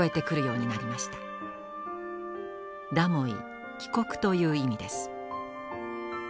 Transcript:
ダモイ帰国という意味です。